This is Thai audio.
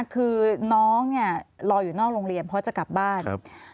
คือน้องเนี่ยรออยู่นอกโรงเรียนเพราะจะกลับบ้าน